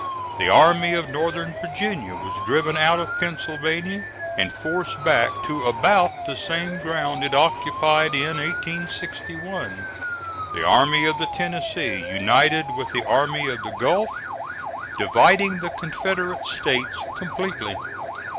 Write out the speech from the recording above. The army of northern Virginia was driven out of Pennsylvania and forced back to about the same ground it occupied in 1861. The Army of the Tennessee united with the Army of the Gulf, dividing the Confederate States completely.